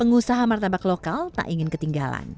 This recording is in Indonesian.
pengusaha martabak lokal tak ingin ketinggalan